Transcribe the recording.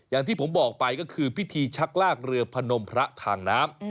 อย่างที่ผมบอกไปก็คือพิธีชักลากเรือพนมพระทางน้ำ